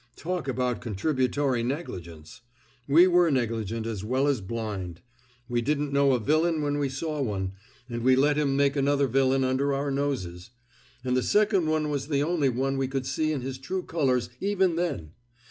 Talk about contributory negligence! We were negligent, as well as blind. We didn't know a villain when we saw one, and we let him make another villain under our noses; and the second one was the only one we could see in his true colors, even then.